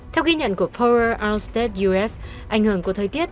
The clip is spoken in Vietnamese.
theo ghi nhận của power outstates u s ảnh hưởng của thời tiết